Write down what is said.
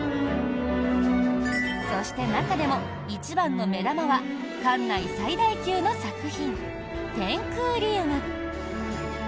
そして、中でも一番の目玉は館内最大級の作品、天空リウム。